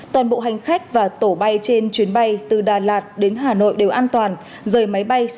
toàn bộ hành khách và tổ bay trên chuyến bay từ đà lạt đến hà nội đều an toàn rời máy bay sau sự cố